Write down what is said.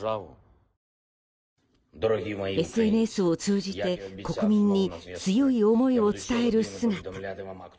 ＳＮＳを通じて国民に強い思いを伝える姿。